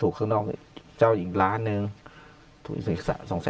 ถูกข้างนอกเจ้ายิงประมาณ๑ล้านถูกอีก๒๐๐๐